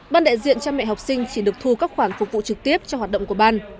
ban đại diện cha mẹ học sinh chỉ được thu các khoản phục vụ trực tiếp cho hoạt động của ban